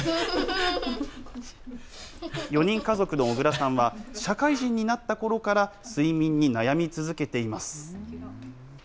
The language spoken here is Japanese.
４人家族の小倉さんは、社会人になったころから睡眠に悩み続けています。